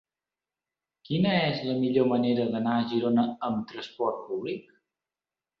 Quina és la millor manera d'anar a Girona amb trasport públic?